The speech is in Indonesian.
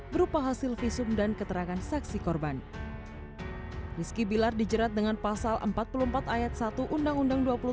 berupa hasil visum dan keterangan saksi korban rizky bilar dijerat dengan pasal empat puluh empat ayat satu undang undang dua puluh tiga